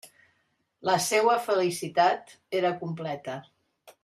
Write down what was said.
La seua felicitat era completa.